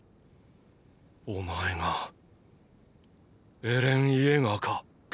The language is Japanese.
お前がエレン・イェーガーか？